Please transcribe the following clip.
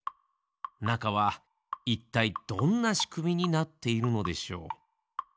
なかはいったいどんなしくみになっているのでしょう。